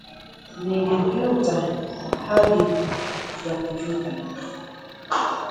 Nilijuta hadi ya kujuta